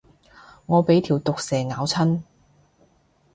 我俾條毒蛇咬親